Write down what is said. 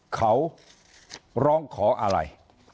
เขาร้องขออะไร